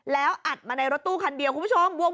แล้วอัดมาในรถตู้คันเดียวคุณผู้ชม